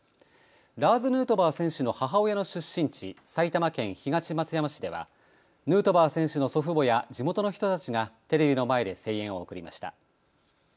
ラーズ・ヌートバー選手の母親の出身地、埼玉県東松山市ではヌートバー選手の祖父母や地元の人たちがテレビの前で声援を送りました。